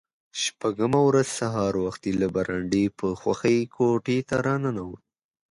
شپږمه ورځ سهار وختي له برنډې په خوښۍ کوټې ته را ننوت.